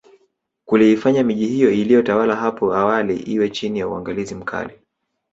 Kuliifanya miji hii iliyojitawala hapo awali iwe chini ya uangalizi mkali